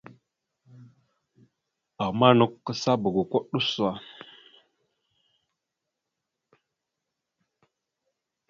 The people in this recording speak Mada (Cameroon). Ama nakw kasaba goko ɗʉso.